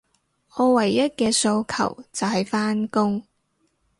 我唯一嘅訴求，就係返工